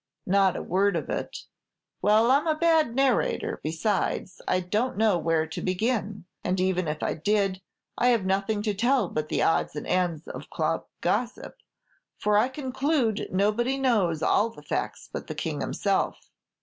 "Not a word of it." "Well, I'm a bad narrator; besides, I don't know where to begin; and even if I did, I have nothing to tell but the odds and ends of club gossip, for I conclude nobody knows all the facts but the King himself."